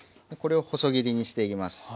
これを細切りにしていきます。